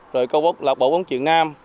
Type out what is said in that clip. rồi câu lạc bộ bóng truyền nam